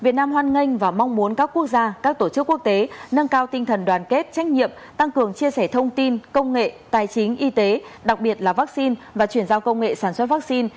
tăng cường chia sẻ thông tin công nghệ tài chính y tế đặc biệt là vaccine và chuyển giao công nghệ sản xuất vaccine